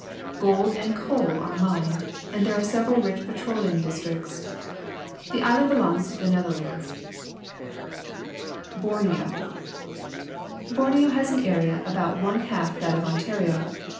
Gold and coal are mined, and there are several rich petroleum dis tricts. The island belongs to the Netherlands. 224 PUBLIC SCHOOL GEOGR.IPHY Borneo. — Borneo has an area about one half of that of Ontario.